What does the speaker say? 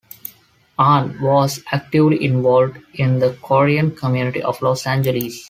Ahn was actively involved in the Korean community of Los Angeles.